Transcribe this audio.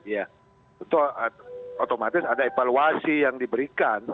ya itu otomatis ada evaluasi yang diberikan